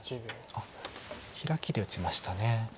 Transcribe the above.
あっヒラキで打ちました。